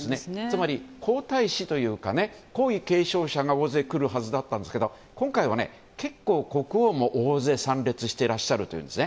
つまり、皇太子というか皇位継承者が大勢来るはずだったんですけど今回は結構、国王も大勢参加していらっしゃるというんです。